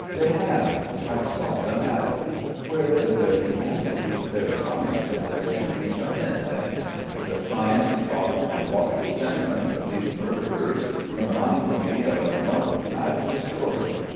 They have, I saw them at it. Where does their humanity, their science, and their painting come in, then? The science, art, and lofty sentiments of these murderers remind me of the lump of fat in the story.